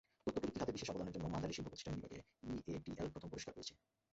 তথ্যপ্রযুক্তি খাতে বিশেষ অবদানের জন্য মাঝারি শিল্পপ্রতিষ্ঠান বিভাগে ইএটিএল প্রথম পুরস্কার পেয়েছে।